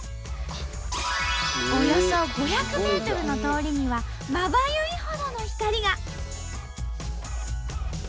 およそ５００ｍの通りにはまばゆいほどの光が！